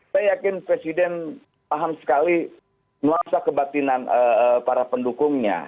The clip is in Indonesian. saya yakin presiden paham sekali nuansa kebatinan para pendukungnya